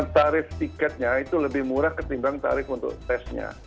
tarif tiketnya itu lebih murah ketimbang tarif untuk tesnya